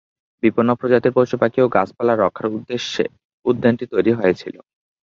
বিপন্ন প্রজাতির পশু-পাখি ও গাছপালা রক্ষার উদ্দেশ্যে উদ্যানটি তৈরি হয়েছিল।